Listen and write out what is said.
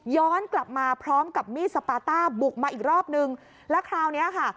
ย้อนกลับมาพร้อมกับมีดสปาต้าบุกมาอีกรอบนึงแล้วคราวเนี้ยค่ะ